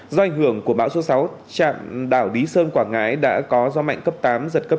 do ảnh hưởng của bão số sáu trạm đảo lý sơn quảng ngãi đã có gió mạnh cấp tám giật cấp tám